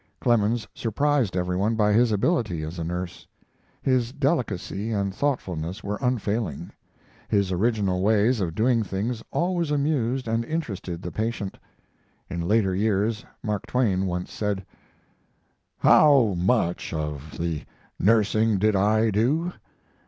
Clemens surprised every one by his ability as a nurse. His delicacy and thoughtfulness were unfailing; his original ways of doing things always amused and interested the patient. In later years Mark Twain once said: "How much of the nursing did I do?